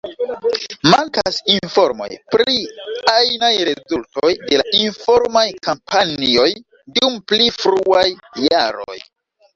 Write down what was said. Mankas informoj pri ajnaj rezultoj de la informaj kampanjoj dum pli fruaj jaroj.